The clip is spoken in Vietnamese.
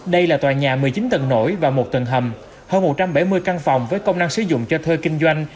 đây là tòa nhà một mươi chín tầng nổi và một tầng hầm hơn một trăm bảy mươi căn phòng với công năng sử dụng cho thơi kinh doanh